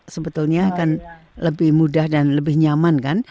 sebetulnya kan lebih mudah dan lebih nyaman kan